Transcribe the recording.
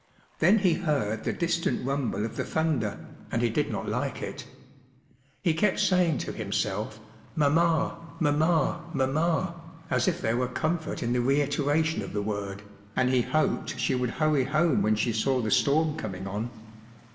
Then he heard the distant rumble of the thunder, and he did not like it He kept saying to himself, i4 Mamma, mamma, mamma,” as if there were comfort in the reiteration of the word, and he hoped she would hurry home when she saw the storm coming on.